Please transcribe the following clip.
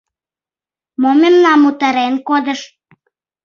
Мо мемнам утарен кодыш?